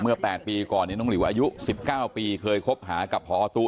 ๘ปีก่อนน้องหลิวอายุ๑๙ปีเคยคบหากับพอตู้